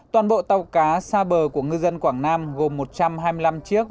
toàn bộ tàu cá xa bờ của ngư dân quảng nam gồm một trăm hai mươi năm chiếc